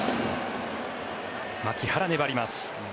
牧原、粘ります。